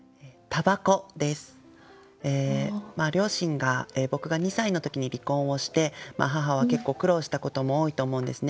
両親が僕が２歳の時に離婚をして母は結構苦労をしたことも多いと思うんですね。